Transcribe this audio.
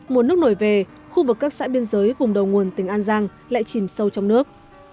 mùa nước nổi về khu vực các xã biên giới vùng đầu nguồn tỉnh an giang lại chìm sâu trong nước